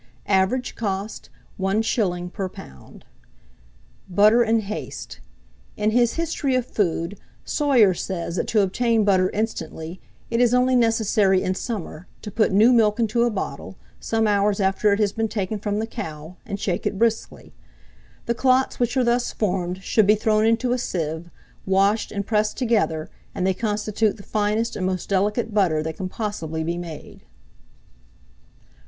Average cost, 1s. per lb. BUTTER IN HASTE. In his "History of Food," Soyer says that to obtain butter instantly, it is only necessary, in summer, to put new milk into a bottle, some hours after it has been taken from the cow, and shake it briskly. The clots which are thus formed should be thrown into a sieve, washed and pressed together, and they constitute the finest and most delicate butter that can possibly be made.